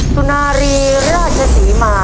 สุนารีราชศรีมา